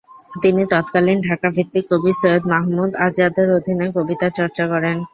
তিনি তৎকালীন ঢাকা ভিত্তিক কবি সৈয়দ মাহমুদ আজাদের অধীনে কবিতা চর্চা করেন।